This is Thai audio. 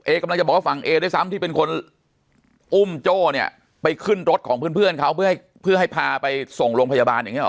กำลังจะบอกว่าฝั่งเอด้วยซ้ำที่เป็นคนอุ้มโจ้เนี่ยไปขึ้นรถของเพื่อนเขาเพื่อให้พาไปส่งโรงพยาบาลอย่างนี้หรอ